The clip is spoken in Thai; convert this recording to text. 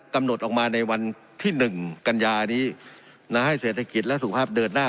กำหนดออกมาในวันที่๑กันยานี้ให้เศรษฐกิจและสุขภาพเดินหน้า